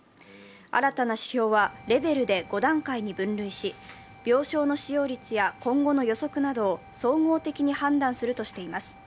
新たな指標はレベルで５段階に分類し、病床の使用率や今後の予測などを総合的に判断するとしています。